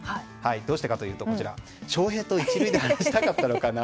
どうしてかというと翔平と１塁で話したかったのかな。